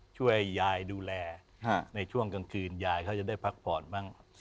ช่วยยายดูแลในช่วงกลางคืนยายเขาจะได้พักผ่อนบ้าง